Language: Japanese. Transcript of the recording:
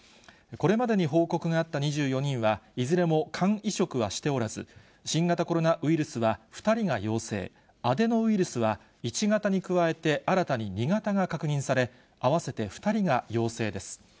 これまでに報告があった２４人は、いずれも肝移植はしておらず、新型コロナウイルスは２人が陽性、アデノウイルスは１型に加えて新たに２型が確認され、合わせて２人が陽性です。